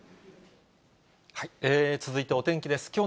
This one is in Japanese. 続いて、お天気です。